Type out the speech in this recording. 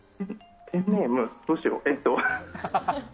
どうしよう、えっと。